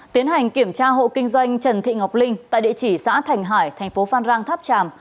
tiến hành kiểm tra hộ kinh doanh trần thị ngọc linh tại địa chỉ xã thành hải thành phố phan rang tháp tràm